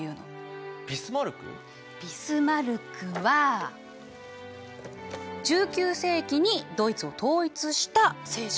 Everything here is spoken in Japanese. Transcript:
ビスマルクは１９世紀にドイツを統一した政治家。